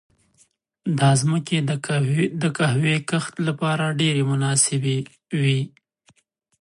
دا ځمکې د قهوې کښت لپاره ډېرې مناسبې وې.